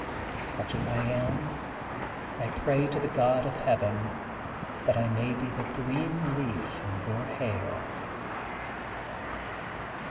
Such as I am, I pray to the God of Heaven that I may be the green leaf in your hair.